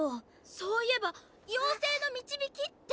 そういえば妖精の導きって。